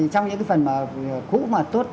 trong những phần cũ mà tốt